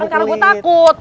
kan karena gue takut